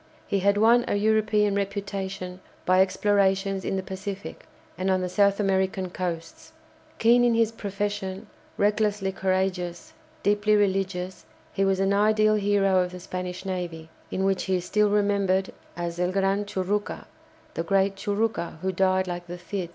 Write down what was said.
He had won a European reputation by explorations in the Pacific and on the South American coasts. Keen in his profession, recklessly courageous, deeply religious, he was an ideal hero of the Spanish navy, in which he is still remembered as "El Gran Churucca," the "great Churucca," who "died like the Cid."